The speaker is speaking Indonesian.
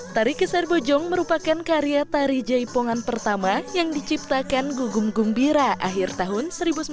tari keser bojong merupakan karya tari jaipongan pertama yang diciptakan gugum gumbira akhir tahun seribu sembilan ratus sembilan puluh